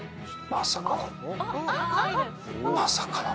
まさかの？